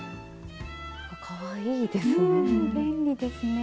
かわいいですね。